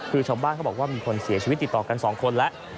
คือชาวบ้านเขาบอกว่ามีคนเสียชีวิตติดต่อกัน๒คนแล้ว